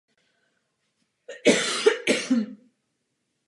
Vyzývám Vás, abyste je jmenovala.